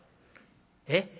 えっ？